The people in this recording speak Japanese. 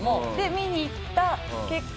見に行った結果